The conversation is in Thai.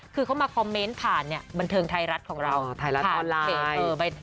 คือเขามาคอมเมนต์ผ่านเนี่ยบันเทิงไทยรัฐของเราไทยรัฐออนไลน์